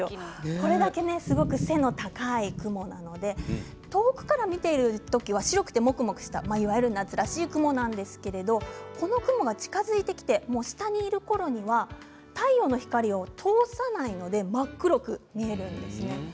これだけ背の高い雲なので遠くから見ている時は白くてもくもくしたいわゆる夏らしい雲なんですけれどこの雲が近づいてきて下にいるころには太陽の光を通さないので真っ黒く見えるんですね。